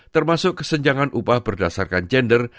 termasuk kesenjangan upah berdasarkan gender